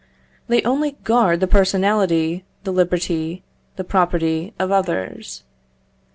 They only guard the personality, the liberty, the property of others.